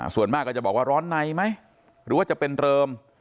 ส่วนมากก็จะบอกว่าร้อนในไหมหรือว่าจะเป็นเริม